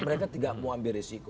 mereka tidak mau ambil risiko